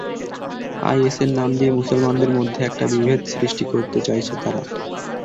আইএসের নাম দিয়ে মুসলমানদের মধ্যে একটি বিভেদ সৃষ্টি করতে চাইছে তারা।